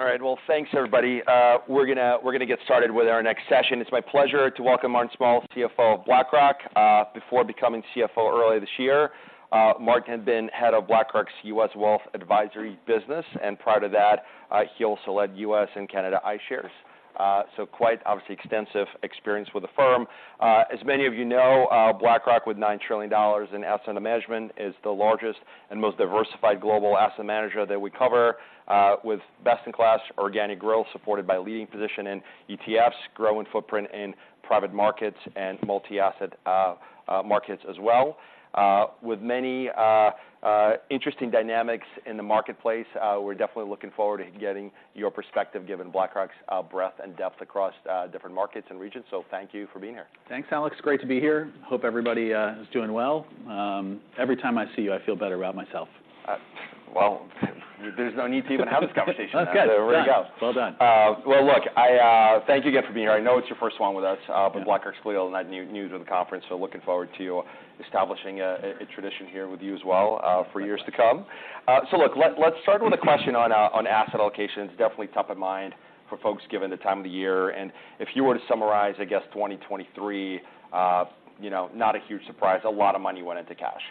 All right, well, thanks, everybody. We're gonna, we're gonna get started with our next session. It's my pleasure to welcome Martin Small, CFO of BlackRock. Before becoming CFO earlier this year, Martin had been head of BlackRock's U.S. Wealth Advisory business, and prior to that, he also led U.S. and Canada iShares. So quite obviously extensive experience with the firm. As many of you know, BlackRock, with $9 trillion in assets under management, is the largest and most diversified global asset manager that we cover, with best-in-class organic growth, supported by a leading position in ETFs, growing footprint in private markets and multi-asset, markets as well. With many, interesting dynamics in the marketplace, we're definitely looking forward to getting your perspective, given BlackRock's, breadth and depth across, different markets and regions. Thank you for being here. Thanks, Alex. Great to be here. Hope everybody is doing well. Every time I see you, I feel better about myself. Well, there's no need to even have this conversation. That's good. There we go. Well done. Well, look, thank you again for being here. I know it's your first one with us, but BlackRock's clearly not new news to the conference, so looking forward to establishing a tradition here with you as well, for years to come. Perfect. So look, let's start with a question on asset allocation. It's definitely top of mind for folks, given the time of the year. And if you were to summarize, I guess 2023, you know, not a huge surprise, a lot of money went into cash.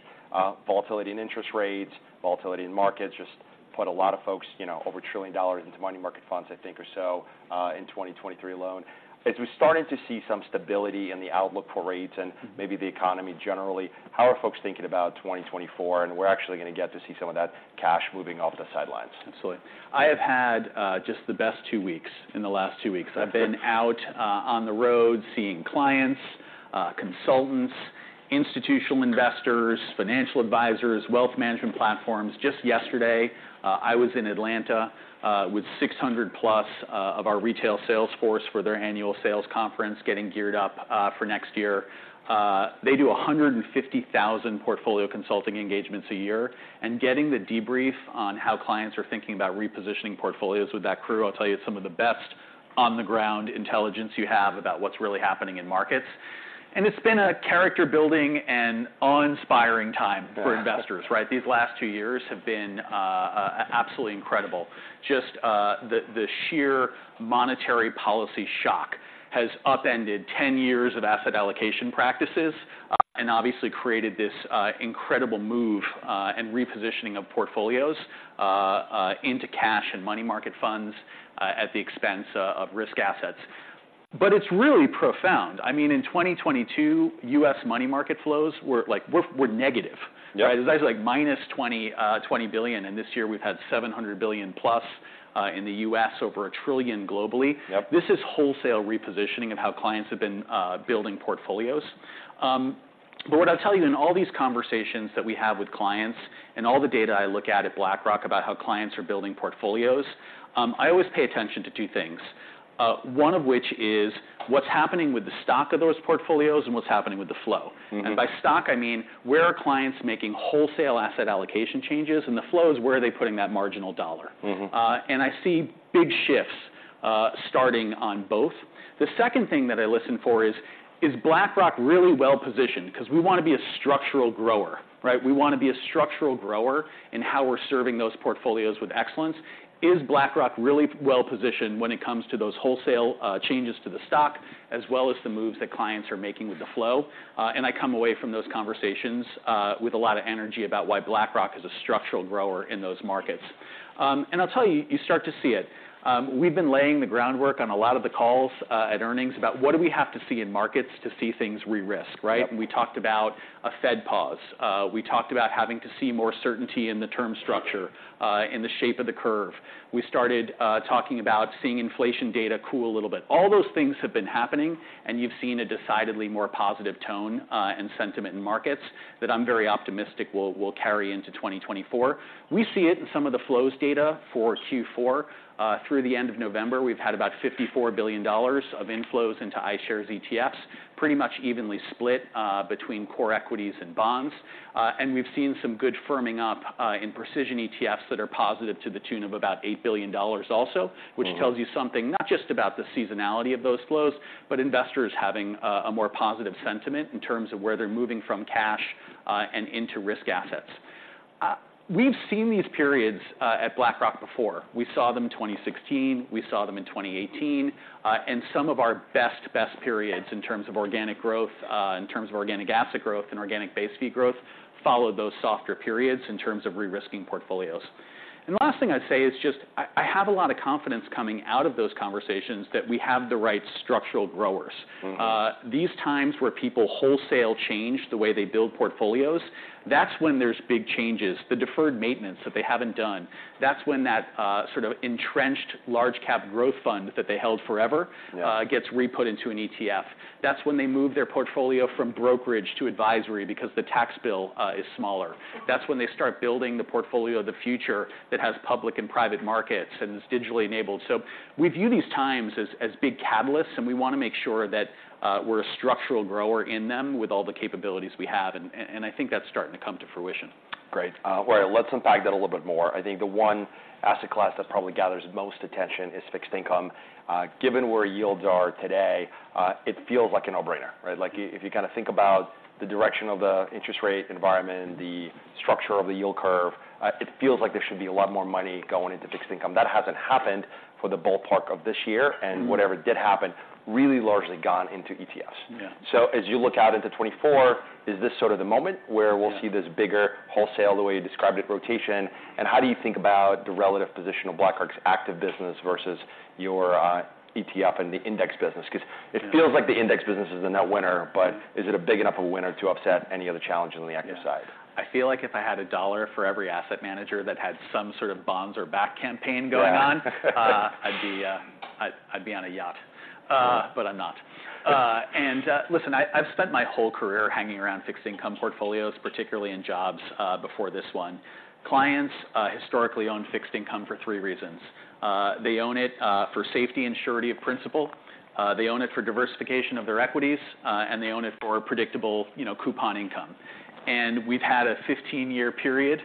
Volatility in interest rates, volatility in markets just put a lot of folks, you know, over $1 trillion into money market funds, I think, or so, in 2023 alone. As we're starting to see some stability in the outlook for rates and maybe the economy generally, how are folks thinking about 2024, and we're actually gonna get to see some of that cash moving off the sidelines? Absolutely. I have had just the best two weeks in the last two weeks. I've been out on the road seeing clients, consultants, institutional investors- Great.... financial advisors, wealth management platforms. Just yesterday, I was in Atlanta with 600+ of our retail sales force for their annual sales conference, getting geared up for next year. They do 150,000 portfolio consulting engagements a year, and getting the debrief on how clients are thinking about repositioning portfolios with that crew, I'll tell you, is some of the best on-the-ground intelligence you have about what's really happening in markets. And it's been a character-building and awe-inspiring time- Right.... for investors, right? These last two years have been absolutely incredible. Just the sheer monetary policy shock has upended 10 years of asset allocation practices and obviously created this incredible move and repositioning of portfolios into cash and money market funds at the expense of risk assets. But it's really profound. I mean, in 2022, U.S. money market flows were like negative. Yep. Right? It was actually, like, minus $20 billion, and this year we've had $700 billion-plus in the U.S., over $1 trillion globally. Yep. This is wholesale repositioning of how clients have been building portfolios. But what I'll tell you, in all these conversations that we have with clients and all the data I look at, at BlackRock, about how clients are building portfolios, I always pay attention to two things, one of which is what's happening with the stock of those portfolios and what's happening with the flow. Mm-hmm. And by stock, I mean, where are clients making wholesale asset allocation changes? And the flows, where are they putting that marginal dollar? Mm-hmm. And I see big shifts, starting on both. The second thing that I listen for is: Is BlackRock really well-positioned? Because we wanna be a structural grower, right? We wanna be a structural grower in how we're serving those portfolios with excellence. Is BlackRock really well-positioned when it comes to those wholesale changes to the stock, as well as the moves that clients are making with the flow? And I come away from those conversations, with a lot of energy about why BlackRock is a structural grower in those markets. And I'll tell you, you start to see it. We've been laying the groundwork on a lot of the calls at earnings about what do we have to see in markets to see things re-risk, right? Yep. We talked about a Fed pause. We talked about having to see more certainty in the term structure, in the shape of the curve. We started talking about seeing inflation data cool a little bit. All those things have been happening, and you've seen a decidedly more positive tone, and sentiment in markets, that I'm very optimistic will, will carry into 2024. We see it in some of the flows data for Q4. Through the end of November, we've had about $54 billion of inflows into iShares ETFs, pretty much evenly split, between core equities and bonds. And we've seen some good firming up, in precision ETFs that are positive to the tune of about $8 billion also- Mm.... which tells you something not just about the seasonality of those flows, but investors having a more positive sentiment in terms of where they're moving from cash, and into risk assets. We've seen these periods at BlackRock before. We saw them in 2016, we saw them in 2018, and some of our best periods in terms of organic growth, in terms of organic asset growth and organic base fee growth, followed those softer periods in terms of re-risking portfolios. The last thing I'd say is just I have a lot of confidence coming out of those conversations that we have the right structural growers. Mm-hmm. These times where people wholesale change the way they build portfolios, that's when there's big changes. The deferred maintenance that they haven't done, that's when that, sort of entrenched large cap growth fund that they held forever- Yeah... gets re-put into an ETF. That's when they move their portfolio from brokerage to advisory because the tax bill, is smaller. That's when they start building the portfolio of the future that has public and private markets and is digitally enabled. So we view these times as, as big catalysts, and we wanna make sure that, we're a structural grower in them with all the capabilities we have, and, and I think that's starting to come to fruition. Great. Well, let's unpack that a little bit more. I think the one asset class that probably gathers the most attention is fixed income. Given where yields are today, it feels like a no-brainer, right? Like, if you kind of think about the direction of the interest rate environment, the structure of the yield curve, it feels like there should be a lot more money going into fixed income. That hasn't happened for the ballpark of this year. Mm.... and whatever did happen, really largely gone into ETFs. Yeah. As you look out into 2024, is this sort of the moment where we'll- Yeah.... see this bigger wholesale, the way you described it, rotation? And how do you think about the relative position of BlackRock's active business versus your ETF and the index business? 'Cause- Yeah.... it feels like the index business is the net winner- Mm.... but is it a big enough winner to upset any of the challenges on the active side? Yeah. I feel like if I had a dollar for every asset manager that had some sort of bonds are back campaign going on- Yeah.... I'd be on a yacht. But I'm not. Listen, I've spent my whole career hanging around fixed income portfolios, particularly in jobs before this one. Clients historically own fixed income for three reasons: they own it for safety and surety of principal, they own it for diversification of their equities, and they own it for predictable, you know, coupon income. We've had a 15-year period,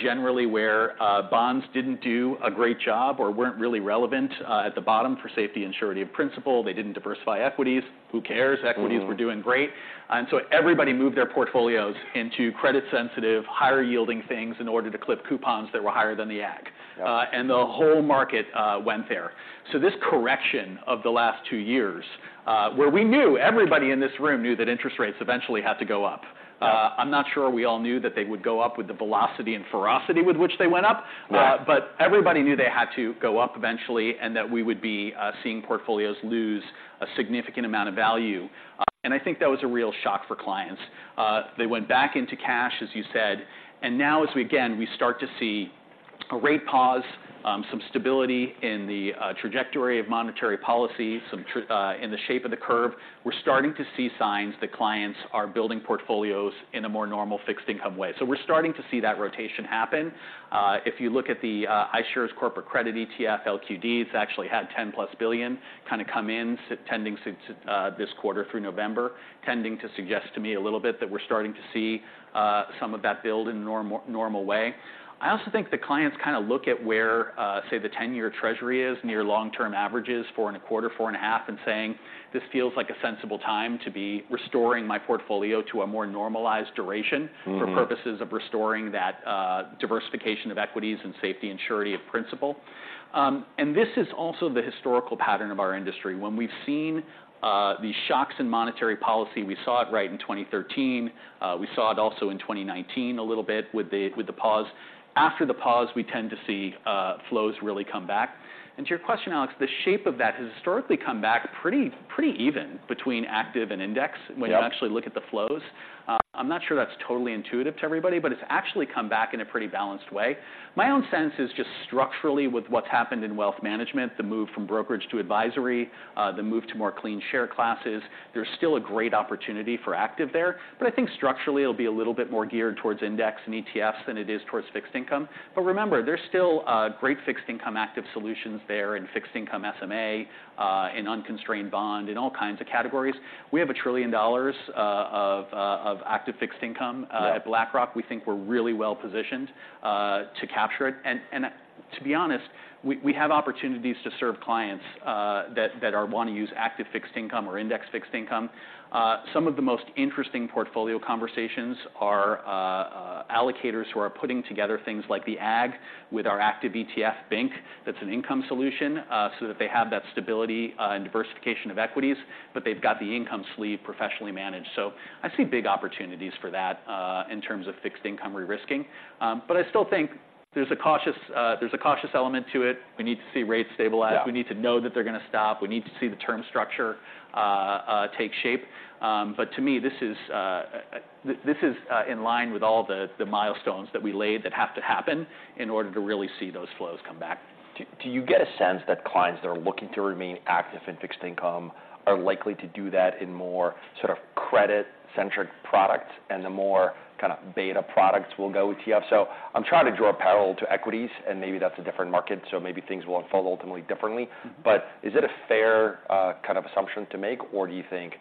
generally, where bonds didn't do a great job or weren't really relevant at the bottom for safety and surety of principal. They didn't diversify equities. Who cares? Mm-hmm. Equities were doing great, and so everybody moved their portfolios into credit-sensitive, higher-yielding things in order to clip coupons that were higher than the ag. Yeah. The whole market went there. This correction of the last two years, where we knew, everybody in this room knew that interest rates eventually had to go up. Yeah. I'm not sure we all knew that they would go up with the velocity and ferocity with which they went up. Right. But everybody knew they had to go up eventually, and that we would be seeing portfolios lose a significant amount of value. And I think that was a real shock for clients. They went back into cash, as you said, and now, as we again, we start to see a rate pause, some stability in the trajectory of monetary policy, in the shape of the curve, we're starting to see signs that clients are building portfolios in a more normal fixed income way. So we're starting to see that rotation happen. If you look at the iShares corporate credit ETF, LQD, it's actually had $10+ billion kind of come in tending to this quarter through November, tending to suggest to me a little bit that we're starting to see some of that build in a normal way. I also think that clients kind of look at where, say, the 10-year treasury is, near long-term averages, 4.25, 4.5, and saying, "This feels like a sensible time to be restoring my portfolio to a more normalized duration- Mm-hmm.... for purposes of restoring that, diversification of equities and safety and surety of principle." And this is also the historical pattern of our industry. When we've seen these shocks in monetary policy, we saw it right in 2013, we saw it also in 2019 a little bit with the pause. After the pause, we tend to see flows really come back. And to your question, Alex, the shape of that has historically come back pretty even between active and index- Yeah.... when you actually look at the flows. I'm not sure that's totally intuitive to everybody, but it's actually come back in a pretty balanced way. My own sense is just structurally, with what's happened in wealth management, the move from brokerage to advisory, the move to more clean share classes, there's still a great opportunity for active there. But I think structurally, it'll be a little bit more geared towards index and ETFs than it is towards fixed income. But remember, there's still great fixed income active solutions there, and fixed income SMA, and unconstrained bond in all kinds of categories. We have $1 trillion of active fixed income- Yeah.... at BlackRock. We think we're really well positioned to capture it. And to be honest, we have opportunities to serve clients that want to use active fixed income or index fixed income. Some of the most interesting portfolio conversations are allocators who are putting together things like the AGG with our active ETF BINC. That's an income solution so that they have that stability and diversification of equities, but they've got the income sleeve professionally managed. So I see big opportunities for that in terms of fixed income risks. But I still think there's a cautious element to it. We need to see rates stabilize. Yeah. We need to know that they're going to stop. We need to see the term structure take shape. But to me, this is in line with all the milestones that we laid that have to happen in order to really see those flows come back. Do you get a sense that clients that are looking to remain active in fixed income are likely to do that in more sort of credit-centric products, and the more kind of beta products will go with ETF? So I'm trying to draw a parallel to equities, and maybe that's a different market, so maybe things will unfold ultimately differently. Mm-hmm. But is it a fair, kind of assumption to make, or do you think,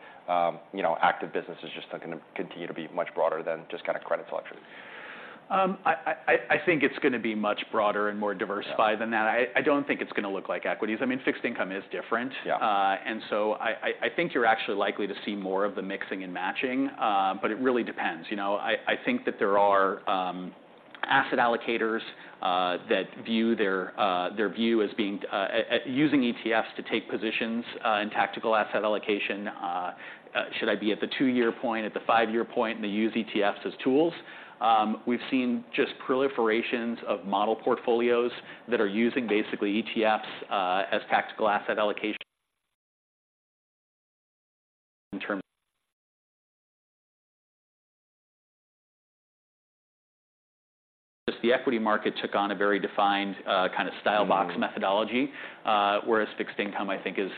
you know, active business is just going to continue to be much broader than just kind of credit selection? I think it's going to be much broader and more diversified- Yeah.... than that. I don't think it's going to look like equities. I mean, fixed income is different. Yeah. And so I think you're actually likely to see more of the mixing and matching, but it really depends. You know, I think that there are asset allocators that view their their view as being at using ETFs to take positions in tactical asset allocation. Should I be at the two-year point, at the five-year point, and they use ETFs as tools? We've seen just proliferations of model portfolios that are using basically ETFs as tactical asset allocation in term... The equity market took on a very defined kind of style box methodology- Mm-hmm.... whereas fixed income, I think, is,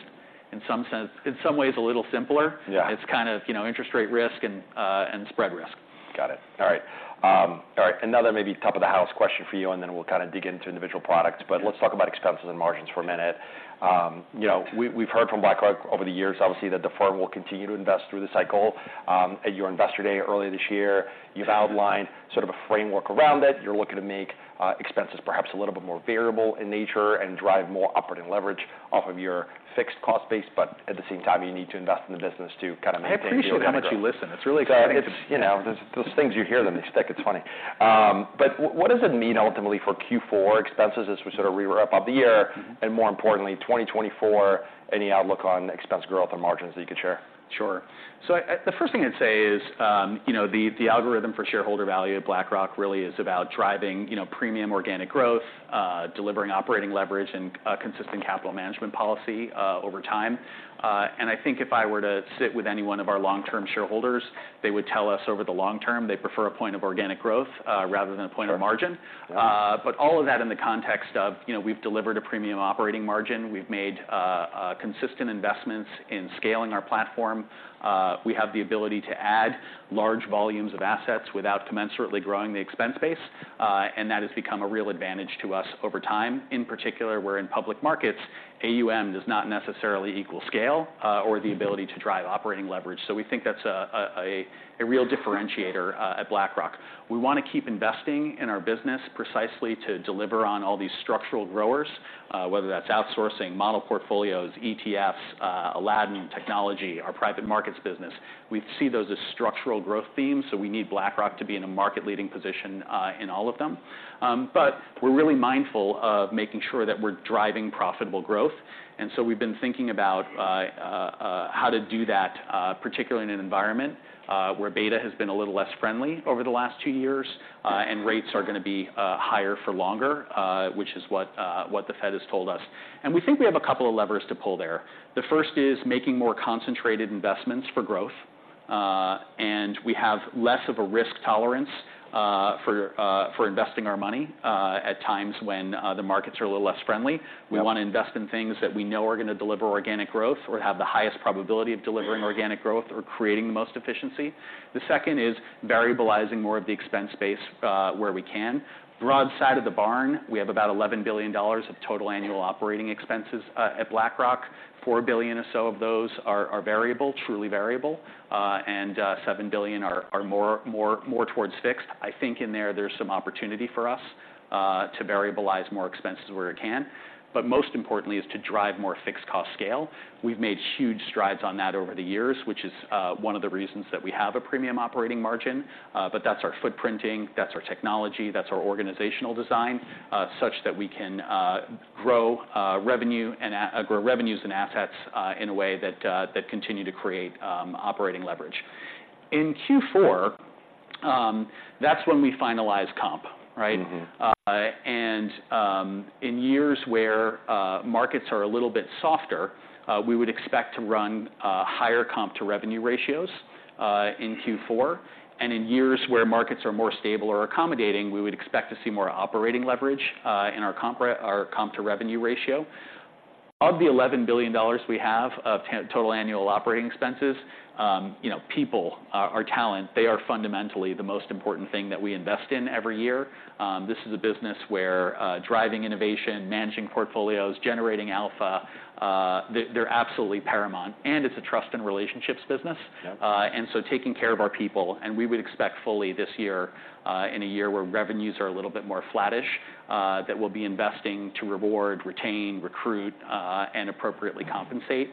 in some sense, in some ways, a little simpler. Yeah. It's kind of, you know, interest rate risk and, and spread risk. Got it. All right. All right, another maybe top of the house question for you, and then we'll kind of dig into individual products. Yeah. But let's talk about expenses and margins for a minute. You know, we've heard from BlackRock over the years, obviously, that the firm will continue to invest through the cycle. At your Investor Day earlier this year, you've outlined sort of a framework around it. You're looking to make expenses perhaps a little bit more variable in nature and drive more operating leverage off of your fixed cost base, but at the same time, you need to invest in the business to kind of maintain- I appreciate how much you listen. It's really exciting. You know, those, those things you hear them, they stick. It's funny. But what does it mean ultimately for Q4 expenses as we sort of re-wrap up the year- Mm-hmm... and more importantly, 2024, any outlook on expense growth or margins that you could share? Sure. So the first thing I'd say is, you know, the, the algorithm for shareholder value at BlackRock really is about driving, you know, premium organic growth, delivering operating leverage, and, consistent capital management policy, over time. And I think if I were to sit with any one of our long-term shareholders, they would tell us, over the long term, they prefer a point of organic growth, rather than a point of margin. Right. But all of that in the context of, you know, we've delivered a premium operating margin. We've made consistent investments in scaling our platform. We have the ability to add large volumes of assets without commensurately growing the expense base, and that has become a real advantage to us over time. In particular, we're in public markets. AUM does not necessarily equal scale, or the ability to drive operating leverage, so we think that's a real differentiator at BlackRock. We want to keep investing in our business precisely to deliver on all these structural growers, whether that's outsourcing, model portfolios, ETFs, Aladdin, technology, our private markets business. We see those as structural growth themes, so we need BlackRock to be in a market-leading position in all of them. But we're really mindful of making sure that we're driving profitable growth, and so we've been thinking about how to do that, particularly in an environment where beta has been a little less friendly over the last two years, and rates are going to be higher for longer, which is what the Fed has told us. We think we have a couple of levers to pull there. The first is making more concentrated investments for growth. We have less of a risk tolerance for investing our money at times when the markets are a little less friendly. Yeah. We want to invest in things that we know are going to deliver organic growth or have the highest probability of delivering organic growth or creating the most efficiency. The second is variabilizing more of the expense base, where we can. Broad side of the barn, we have about $11 billion of total annual operating expenses at BlackRock. $4 billion or so of those are variable, truly variable, and $7 billion are more towards fixed. I think in there, there's some opportunity for us to variabilize more expenses where it can, but most importantly is to drive more fixed cost scale. We've made huge strides on that over the years, which is one of the reasons that we have a premium operating margin. But that's our footprinting, that's our technology, that's our organizational design, such that we can grow revenue and grow revenues and assets, in a way that that continue to create operating leverage. In Q4, that's when we finalize comp, right? Mm-hmm. And in years where markets are a little bit softer, we would expect to run higher comp to revenue ratios in Q4. And in years where markets are more stable or accommodating, we would expect to see more operating leverage in our comp to revenue ratio. Of the $11 billion we have of total annual operating expenses, you know, people, our talent, they are fundamentally the most important thing that we invest in every year. This is a business where driving innovation, managing portfolios, generating alpha, they're absolutely paramount, and it's a trust and relationships business. Yeah. And so taking care of our people, and we would expect fully this year, in a year where revenues are a little bit more flattish, that we'll be investing to reward, retain, recruit, and appropriately compensate,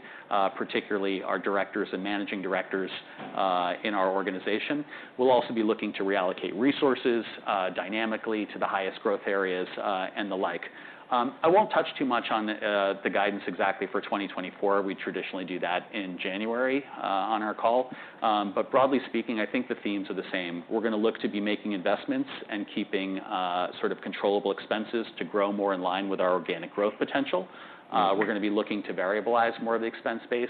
particularly our directors and managing directors, in our organization. We'll also be looking to reallocate resources, dynamically to the highest growth areas, and the like. I won't touch too much on the guidance exactly for 2024. We traditionally do that in January, on our call. But broadly speaking, I think the themes are the same. We're going to look to be making investments and keeping sort of controllable expenses to grow more in line with our organic growth potential. Mm-hmm. We're going to be looking to variabilize more of the expense base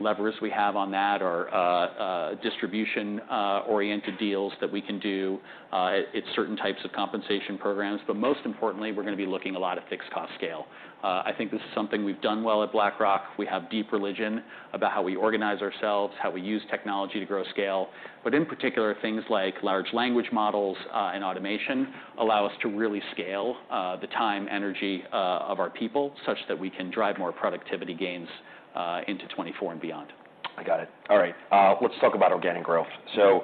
levers we have on that or distribution-oriented deals that we can do. It's certain types of compensation programs, but most importantly, we're going to be looking a lot at fixed cost scale. I think this is something we've done well at BlackRock. We have deep religion about how we organize ourselves, how we use technology to grow scale, but in particular, things like large language models and automation allow us to really scale the time, energy of our people such that we can drive more productivity gains into 2024 and beyond. I got it. All right, let's talk about organic growth. So,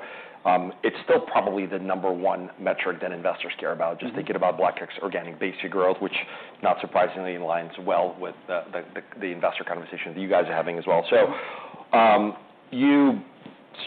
it's still probably the number one metric that investors care about- Mm-hmm. Just thinking about BlackRock's organic base growth, which not surprisingly, aligns well with the investor conversation that you guys are having as well. Yeah. So, you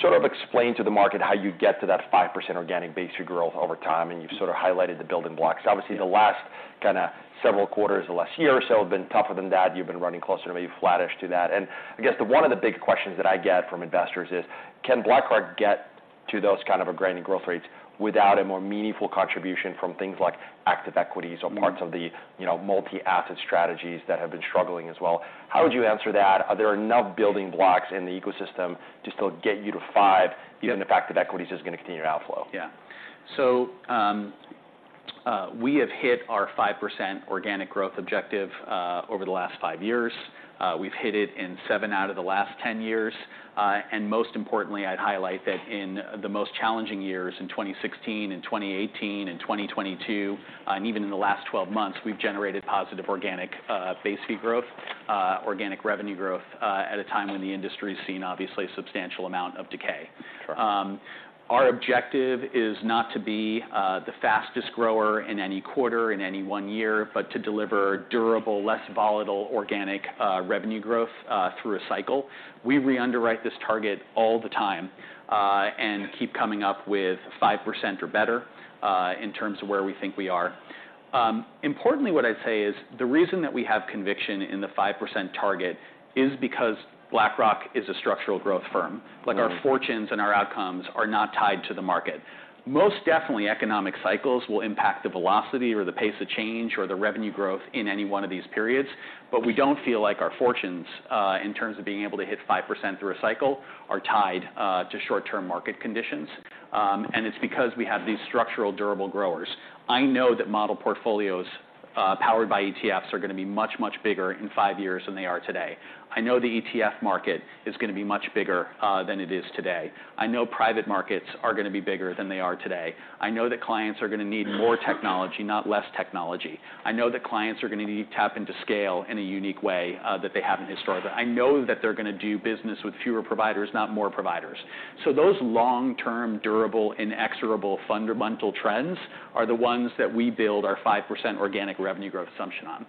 sort of explained to the market how you get to that 5% organic base growth over time, and you've sort of highlighted the building blocks. Yeah. Obviously, the last kind of several quarters, the last year or so, have been tougher than that. You've been running closer to maybe flattish to that. And I guess the one of the big questions that I get from investors is: Can BlackRock get to those kind of organic growth rates without a more meaningful contribution from things like active equities- Mm. -or parts of the, you know, multi-asset strategies that have been struggling as well? How would you answer that? Are there enough building blocks in the ecosystem to still get you to five- Yeah. -even if active equities is going to continue to outflow? Yeah. So, we have hit our 5% organic growth objective over the last five years. We've hit it in seven out of the last 10 years. And most importantly, I'd highlight that in the most challenging years, in twenty sixteen and twenty eighteen and twenty twenty-two, and even in the last 12 months, we've generated positive organic base fee growth, organic revenue growth, at a time when the industry has seen, obviously, a substantial amount of decay. Sure. Our objective is not to be, the fastest grower in any quarter, in any one year, but to deliver durable, less volatile, organic, revenue growth, through a cycle. We re-underwrite this target all the time, and keep coming up with 5% or better, in terms of where we think we are. Importantly, what I'd say is, the reason that we have conviction in the 5% target is because BlackRock is a structural growth firm. Mm. Like, our fortunes and our outcomes are not tied to the market. Most definitely, economic cycles will impact the velocity or the pace of change or the revenue growth in any one of these periods, but we don't feel like our fortunes, in terms of being able to hit 5% through a cycle, are tied to short-term market conditions. It's because we have these structural, durable growers. I know that model portfolios, powered by ETFs, are going to be much, much bigger in five years than they are today. I know the ETF market is going to be much bigger than it is today. I know private markets are going to be bigger than they are today. I know that clients are going to need more technology, not less technology. I know that clients are going to need to tap into scale in a unique way that they haven't historically. I know that they're going to do business with fewer providers, not more providers. So those long-term, durable, inexorable, fundamental trends are the ones that we build our 5% organic revenue growth assumption on.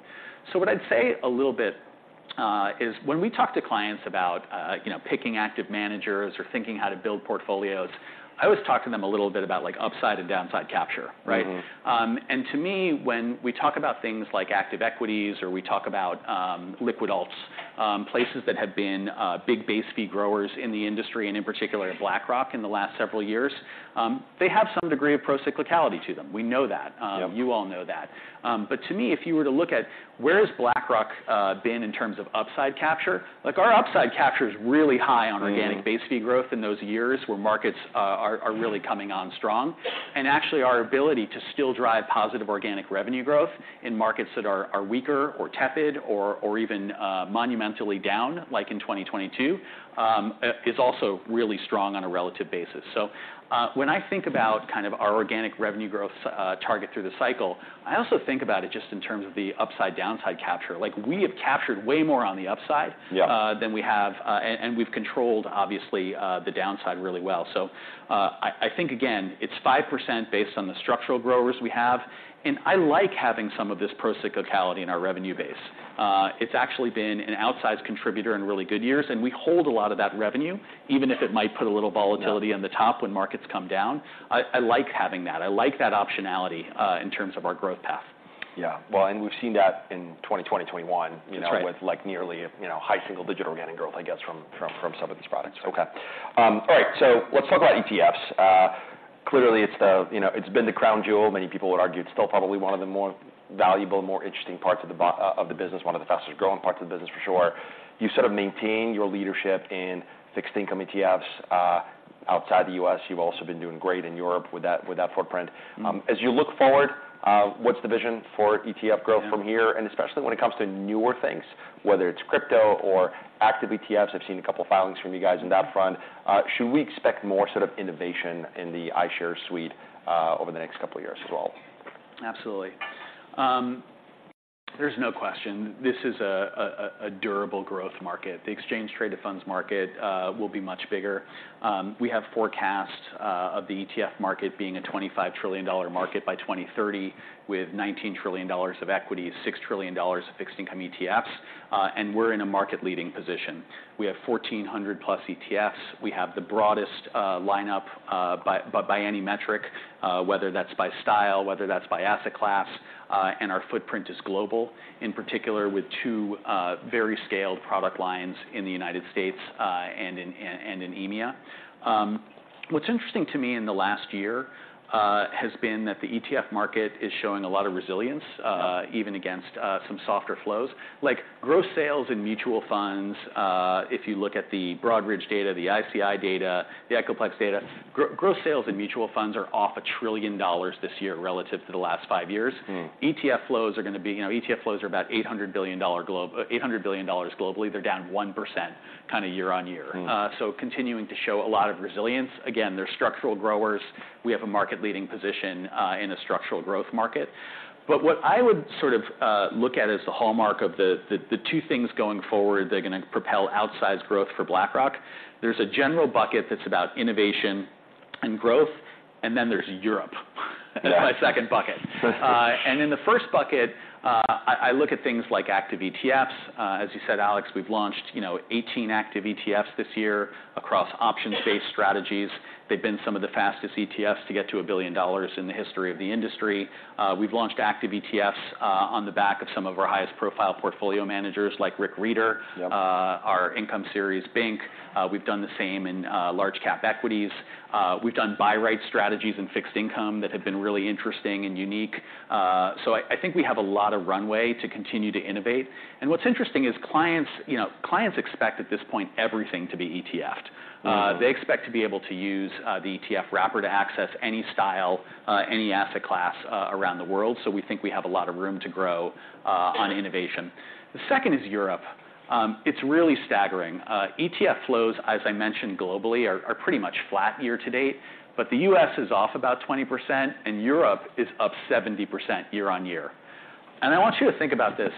So what I'd say a little bit is when we talk to clients about, you know, picking active managers or thinking how to build portfolios, I always talk to them a little bit about, like, upside and downside capture, right? Mm-hmm. And to me, when we talk about things like active equities, or we talk about liquid alts, places that have been big base fee growers in the industry, and in particular, BlackRock in the last several years, they have some degree of pro-cyclicality to them. We know that. Yep. You all know that. But to me, if you were to look at where has BlackRock been in terms of upside capture, like, our upside capture is really high on- Mm.... organic base fee growth in those years, where markets are really coming on strong. And actually, our ability to still drive positive organic revenue growth in markets that are weaker, or tepid, or even monumentally down, like in 2022, is also really strong on a relative basis. So, when I think about kind of our organic revenue growth target through the cycle, I also think about it just in terms of the upside/downside capture. Like, we have captured way more on the upside- Yeah.... than we have, and we've controlled, obviously, the downside really well. So, I think, again, it's 5% based on the structural growers we have, and I like having some of this pro-cyclicality in our revenue base. It's actually been an outsized contributor in really good years, and we hold a lot of that revenue, even if it might put a little volatility- Yeah.... on the top when markets come down. I, I like having that. I like that optionality, in terms of our growth path. Yeah. Well, and we've seen that in 2020, 2021- That's right.... you know, with, like, nearly, you know, high single-digit organic growth, I guess, from, from, from some of these products. Okay. All right, so let's talk about ETFs. Clearly, it's the, you know, it's been the crown jewel. Many people would argue it's still probably one of the more valuable, more interesting parts of the business, one of the fastest-growing parts of the business, for sure. You've sort of maintained your leadership in fixed income ETFs, outside the U.S. You've also been doing great in Europe with that, with that footprint. Mm. As you look forward, what's the vision for ETF growth? Yeah.... from here, and especially when it comes to newer things, whether it's crypto or active ETFs? I've seen a couple filings from you guys on that front. Mm. Should we expect more sort of innovation in the iShares suite over the next couple of years as well? Absolutely. There's no question, this is a durable growth market. The exchange-traded funds market will be much bigger. We have forecasts of the ETF market being a $25 trillion market by 2030, with $19 trillion of equities, $6 trillion of fixed income ETFs, and we're in a market-leading position. We have 1,400+ ETFs. We have the broadest lineup by any metric, whether that's by style, whether that's by asset class, and our footprint is global, in particular, with two very scaled product lines in the United States and in EMEA. What's interesting to me in the last year has been that the ETF market is showing a lot of resilience even against some softer flows. Like, gross sales and mutual funds, if you look at the Broadridge data, the ICI data, the EPFR data, gross sales and mutual funds are off $1 trillion this year relative to the last five years. Mm. ETF flows are going to be... You know, ETF flows are about $800 billion globally. They're down 1% kind of year-on-year. Mm. So continuing to show a lot of resilience. Again, they're structural growers. We have a market-leading position in a structural growth market. But what I would sort of look at as the hallmark of the two things going forward, they're gonna propel outsized growth for BlackRock. There's a general bucket that's about innovation and growth, and then there's Europe. Yeah. That's my second bucket. And in the first bucket, I look at things like active ETFs. As you said, Alex, we've launched, you know, 18 active ETFs this year across option-based strategies. They've been some of the fastest ETFs to get to $1 billion in the history of the industry. We've launched active ETFs on the back of some of our highest-profile portfolio managers, like Rick Rieder. Yep. Our income series, BINC. We've done the same in large cap equities. We've done BuyWrite strategies in fixed income that have been really interesting and unique. So I think we have a lot of runway to continue to innovate. And what's interesting is clients—you know, clients expect, at this point, everything to be ETF'd. Mm. They expect to be able to use the ETF wrapper to access any style, any asset class around the world, so we think we have a lot of room to grow on innovation. The second is Europe. It's really staggering. ETF flows, as I mentioned globally, are pretty much flat year to date, but the U.S. is off about 20%, and Europe is up 70% year-over-year. And I want you to think about this: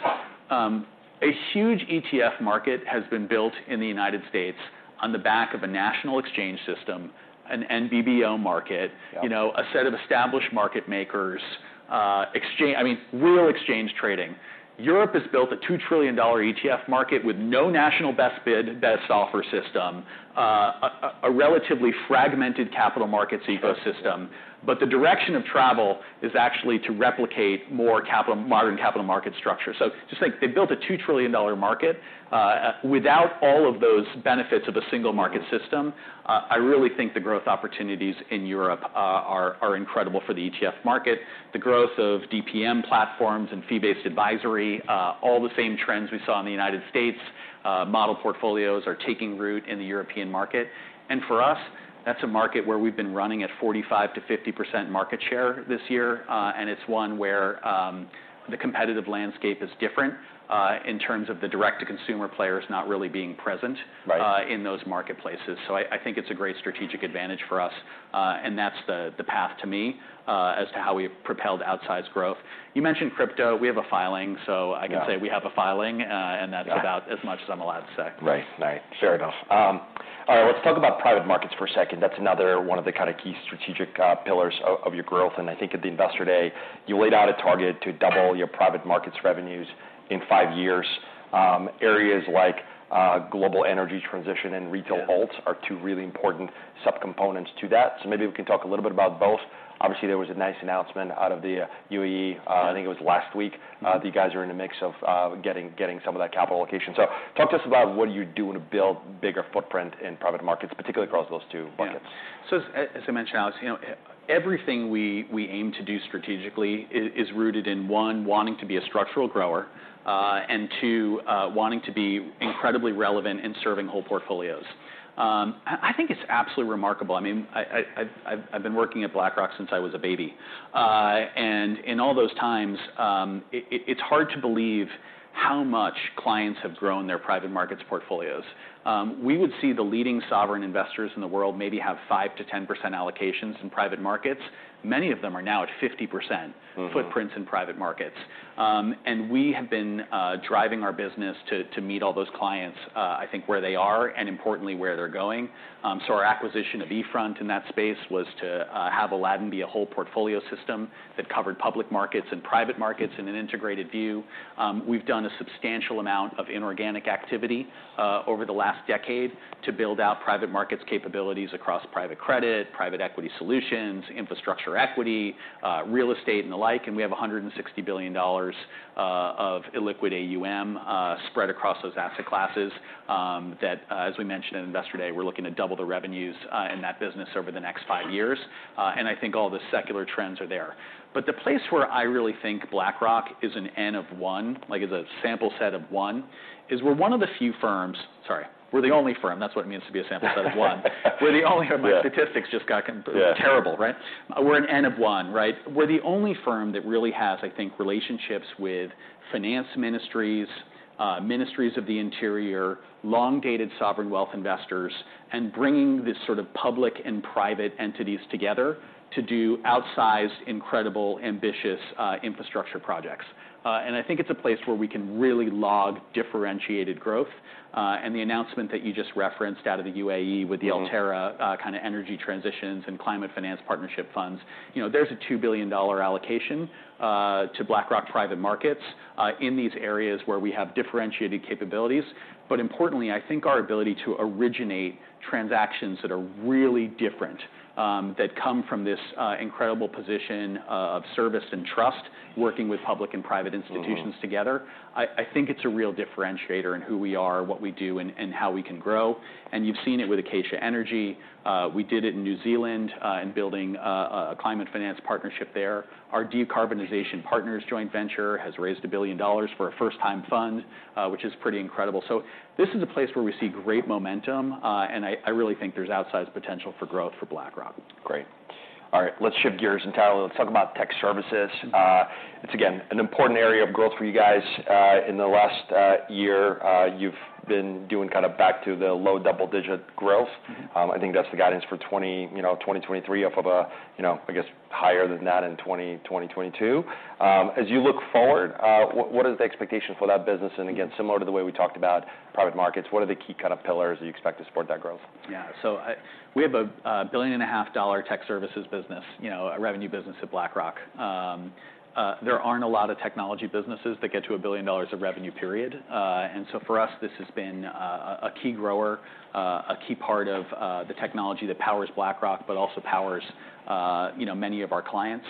A huge ETF market has been built in the United States on the back of a national exchange system, an NBBO market- Yeah... you know, a set of established market makers, exchange—I mean, real exchange trading. Europe has built a $2 trillion ETF market with no national best bid, best offer system, a relatively fragmented capital markets ecosystem. But the direction of travel is actually to replicate more capital-modern capital market structure. So just think, they built a $2 trillion market, without all of those benefits of a single market system. Mm. I really think the growth opportunities in Europe are incredible for the ETF market. The growth of DPM platforms and fee-based advisory, all the same trends we saw in the United States, model portfolios are taking root in the European market. And for us, that's a market where we've been running at 45%-50% market share this year. And it's one where the competitive landscape is different in terms of the direct-to-consumer players not really being present- Right... in those marketplaces. So I think it's a great strategic advantage for us, and that's the path to me as to how we've propelled outsized growth. You mentioned crypto. We have a filing, so- Yeah... I can say we have a filing, and that's- Got it... about as much as I'm allowed to say. Right. Right. Fair enough. All right, let's talk about private markets for a second. That's another one of the kind of key strategic pillars of your growth. And I think at the Investor Day, you laid out a target to double your private markets revenues in five years. Areas like global energy transition and retail holds are two really important subcomponents to that. So maybe we can talk a little bit about both. Obviously, there was a nice announcement out of the UAE. I think it was last week. You guys are in the mix of getting some of that capital allocation. So talk to us about what you do to build bigger footprint in private markets, particularly across those two markets. Yeah. So as I mentioned, Alex, you know, everything we aim to do strategically is rooted in, one, wanting to be a structural grower, and two, wanting to be incredibly relevant in serving whole portfolios. I think it's absolutely remarkable. I mean, I've been working at BlackRock since I was a baby. And in all those times, it's hard to believe how much clients have grown their private markets portfolios. We would see the leading sovereign investors in the world maybe have 5%-10% allocations in private markets. Many of them are now at 50%- Mm-hmm.... footprints in private markets. And we have been driving our business to meet all those clients, I think where they are, and importantly, where they're going. So our acquisition of eFront in that space was to have Aladdin be a whole portfolio system that covered public markets and private markets in an integrated view. We've done a substantial amount of inorganic activity over the last decade to build out private markets capabilities across private credit, private equity solutions, infrastructure equity, real estate, and the like, and we have $160 billion of illiquid AUM spread across those asset classes. That, as we mentioned in Investor Day, we're looking to double the revenues in that business over the next five years. And I think all the secular trends are there. But the place where I really think BlackRock is an N of one, like, as a sample set of one, is we're one of the few firms. Sorry, we're the only firm. That's what it means to be a sample set of one. We're the only one. Yeah. My statistics just got com- Yeah.... terrible, right? We're an N of one, right? We're the only firm that really has, I think, relationships with finance ministries, ministries of the interior, long-dated sovereign wealth investors, and bringing this sort of public and private entities together to do outsized, incredible, ambitious, infrastructure projects. And I think it's a place where we can really log differentiated growth. And the announcement that you just referenced out of the UAE with the- Mm-hmm.... Alterra, kind of energy transitions and climate finance partnership funds, you know, there's a $2 billion allocation, to BlackRock private markets, in these areas where we have differentiated capabilities. But importantly, I think our ability to originate transactions that are really different, that come from this, incredible position of, of service and trust, working with public and private institutions together- Mm-hmm.... I, I think it's a real differentiator in who we are, what we do, and how we can grow, and you've seen it with Akaysha Energy. We did it in New Zealand in building a climate finance partnership there. Our Decarbonization Partners joint venture has raised $1 billion for a first-time fund, which is pretty incredible. So this is a place where we see great momentum, and I really think there's outsized potential for growth for BlackRock. Great. All right, let's shift gears entirely. Let's talk about tech services. It's again, an important area of growth for you guys. In the last year, you've been doing kind of back to the low double-digit growth. Mm-hmm. I think that's the guidance for 2023, you know, up of a, you know, I guess, higher than that in 2022. As you look forward, what is the expectation for that business? And again, similar to the way we talked about private markets, what are the key kind of pillars that you expect to support that growth? Yeah. So, we have a $1.5 billion tech services business, you know, a revenue business at BlackRock. There aren't a lot of technology businesses that get to $1 billion of revenue, period. And so for us, this has been a key grower, a key part of the technology that powers BlackRock, but also powers, you know, many of our clients.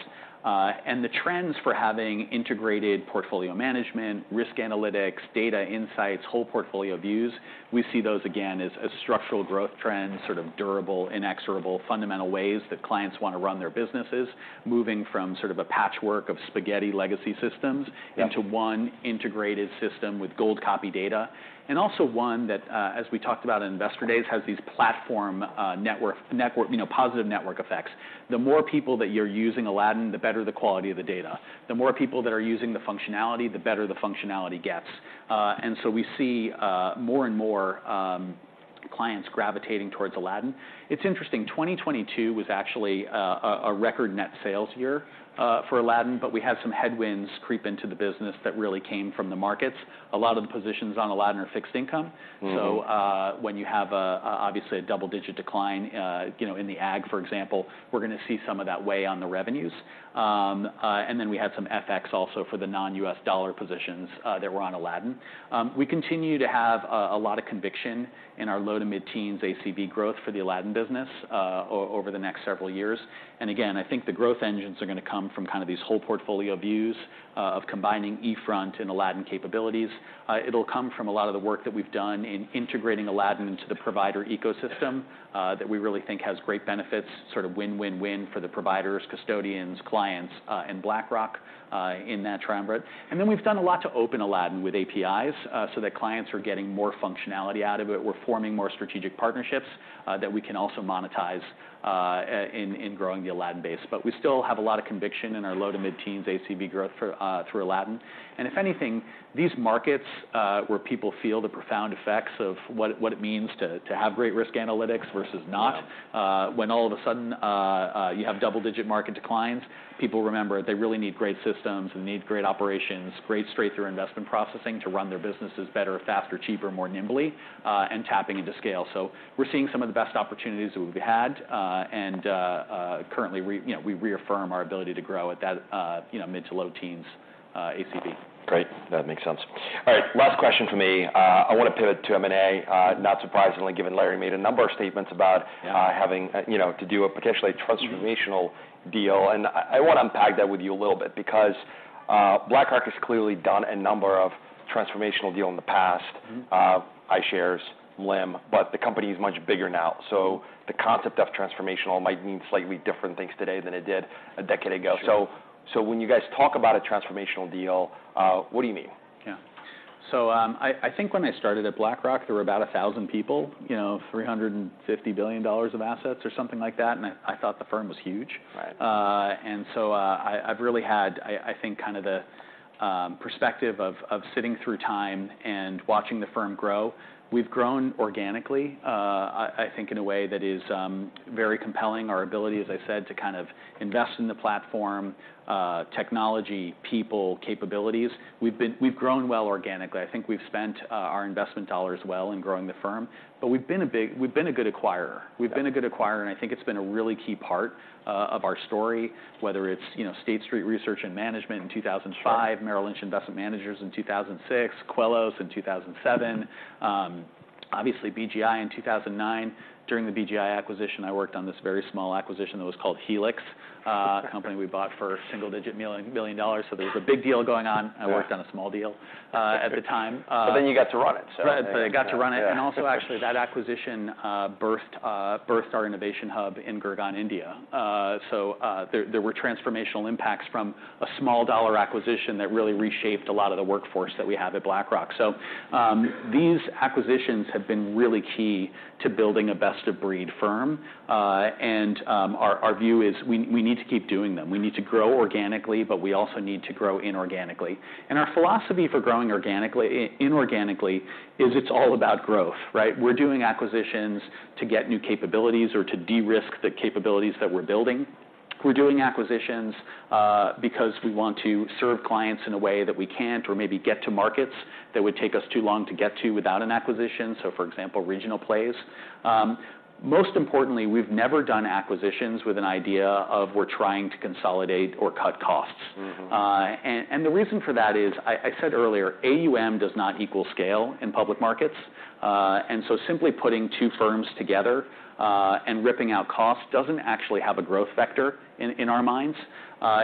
And the trends for having integrated portfolio management, risk analytics, data insights, whole portfolio views, we see those, again, as structural growth trends, sort of durable, inexorable, fundamental ways that clients want to run their businesses, moving from sort of a patchwork of spaghetti legacy systems. Yeah.... into one integrated system with gold copy data. And also one that, as we talked about in Investor Days, has these platform, network, you know, positive network effects. The more people that you're using Aladdin, the better the quality of the data. The more people that are using the functionality, the better the functionality gets. And so we see, more and more, clients gravitating towards Aladdin. It's interesting, 2022 was actually, a record net sales year, for Aladdin, but we had some headwinds creep into the business that really came from the markets. A lot of the positions on Aladdin are fixed income. Mm-hmm. So, when you have a, obviously, a double-digit decline, you know, in the AUM, for example, we're gonna see some of that weigh on the revenues. And then we had some FX also for the non-U.S. dollar positions, that were on Aladdin. We continue to have a, a lot of conviction in our low to mid-teens ACV growth for the Aladdin business, over the next several years. And again, I think the growth engines are gonna come from kind of these whole portfolio views, of combining eFront and Aladdin capabilities. It'll come from a lot of the work that we've done in integrating Aladdin into the provider ecosystem, that we really think has great benefits, sort of win, win, win for the providers, custodians, clients, and BlackRock, in that triangle. Then we've done a lot to open Aladdin with APIs, so that clients are getting more functionality out of it. We're forming more strategic partnerships that we can also monetize in growing the Aladdin base. But we still have a lot of conviction in our low- to mid-teens ACV growth for through Aladdin. And if anything, these markets where people feel the profound effects of what it means to have great risk analytics versus not- Yeah.... when all of a sudden, you have double-digit market declines, people remember they really need great systems and need great operations, great straight-through investment processing to run their businesses better, faster, cheaper, more nimbly, and tapping into scale. So we're seeing some of the best opportunities that we've had, and, currently, you know, we reaffirm our ability to grow at that, you know, mid- to low-teens,... ACV. Great, that makes sense. All right, last question for me. I want to pivot to M&A, not surprisingly, given Larry made a number of statements about- Yeah. having, you know, to do a potentially transformational- Mm-hmm. -deal. And I want to unpack that with you a little bit because BlackRock has clearly done a number of transformational deal in the past. Mm-hmm. iShares, MLIM, but the company is much bigger now. So the concept of transformational might mean slightly different things today than it did a decade ago. Sure. So, when you guys talk about a transformational deal, what do you mean? Yeah. So, I think when I started at BlackRock, there were about 1,000 people, you know, $350 billion of assets or something like that, and I thought the firm was huge. Right. And so, I've really had, I think, kind of the perspective of sitting through time and watching the firm grow. We've grown organically, I think, in a way that is very compelling. Our ability, as I said, to kind of invest in the platform, technology, people, capabilities. We've grown well organically. I think we've spent our investment dollar as well in growing the firm, but we've been a good acquirer. Yeah. We've been a good acquirer, and I think it's been a really key part of our story, whether it's, you know, State Street Research and Management in 2005- Sure.... Merrill Lynch Investment Managers in 2006, Quellos in 2007, obviously, BGI in 2009. During the BGI acquisition, I worked on this very small acquisition that was called Helix. A company we bought for a single-digit $ million. So there was a big deal going on- Yeah.... I worked on a small deal, at the time. But then you got to run it, so- Right, but I got to run it. Yeah. And also, actually, that acquisition birthed our innovation hub in Gurgaon, India. So, there were transformational impacts from a small dollar acquisition that really reshaped a lot of the workforce that we have at BlackRock. These acquisitions have been really key to building a best-of-breed firm. And our view is we need to keep doing them. We need to grow organically, but we also need to grow inorganically. And our philosophy for growing organically... inorganically, is it's all about growth, right? We're doing acquisitions to get new capabilities or to de-risk the capabilities that we're building. We're doing acquisitions because we want to serve clients in a way that we can't, or maybe get to markets that would take us too long to get to without an acquisition, so for example, regional plays. Most importantly, we've never done acquisitions with an idea of we're trying to consolidate or cut costs. Mm-hmm. The reason for that is, I said earlier, AUM does not equal scale in public markets. And so simply putting two firms together and ripping out costs doesn't actually have a growth vector in our minds,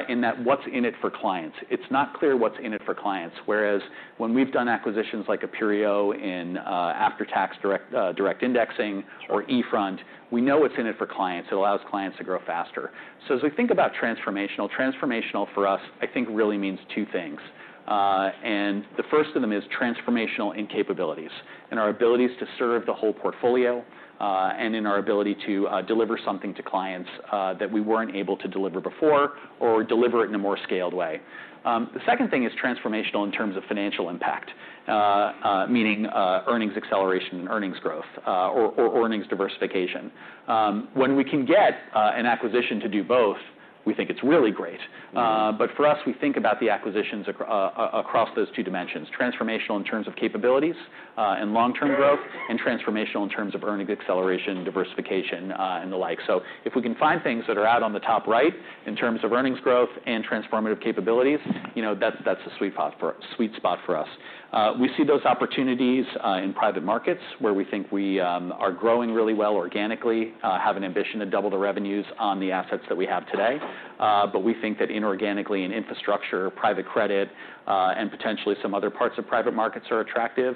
in that, what's in it for clients? It's not clear what's in it for clients. Whereas when we've done acquisitions like Aperio in after-tax direct indexing- Sure.... or eFront, we know what's in it for clients. It allows clients to grow faster. So as we think about transformational for us, I think really means two things. And the first of them is transformational in capabilities, in our abilities to serve the whole portfolio, and in our ability to deliver something to clients that we weren't able to deliver before or deliver it in a more scaled way. The second thing is transformational in terms of financial impact, meaning earnings acceleration, earnings growth, or earnings diversification. When we can get an acquisition to do both, we think it's really great. Mm-hmm. But for us, we think about the acquisitions across those two dimensions: transformational in terms of capabilities, and long-term growth, and transformational in terms of earnings acceleration, diversification, and the like. So if we can find things that are out on the top right, in terms of earnings growth and transformative capabilities, you know, that's the sweet spot for us. We see those opportunities in private markets, where we think we are growing really well organically, have an ambition to double the revenues on the assets that we have today. But we think that inorganically in infrastructure, private credit, and potentially some other parts of private markets are attractive.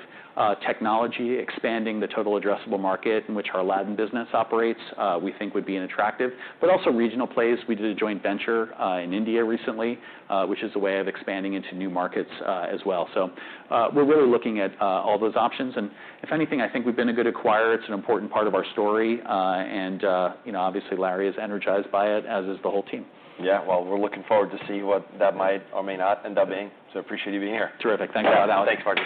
Technology, expanding the total addressable market in which our Aladdin business operates, we think would be attractive, but also regional plays. We did a joint venture in India recently, which is a way of expanding into new markets as well. So, we're really looking at all those options, and if anything, I think we've been a good acquirer. It's an important part of our story. And, you know, obviously, Larry is energized by it, as is the whole team. Yeah. Well, we're looking forward to see what that might or may not end up being, so appreciate you being here. Terrific. Thank you. Thanks, Marty.